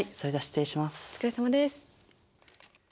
お疲れさまです。